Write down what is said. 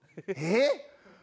えっ？